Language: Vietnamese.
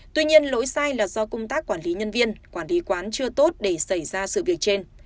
tuy nhiên lỗi sai là do công tác quản lý nhân viên quản lý quán chưa tốt để xảy ra sự việc trên